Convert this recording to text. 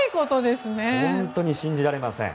本当に信じられません。